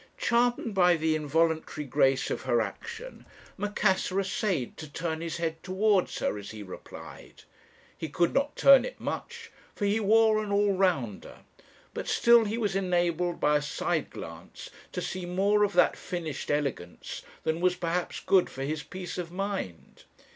"Charmed by the involuntary grace of her action, Macassar essayed to turn his head towards her as he replied; he could not turn it much, for he wore an all rounder; but still he was enabled by a side glance to see more of that finished elegance than was perhaps good for his peace of mind.